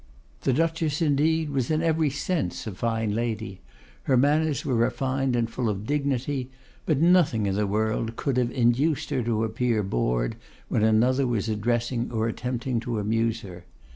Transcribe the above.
The Duchess, indeed, was in every sense a fine lady; her manners were refined and full of dignity; but nothing in the world could have induced her to appear bored when another was addressing or attempting to amuse her.